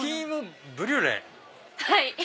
はい。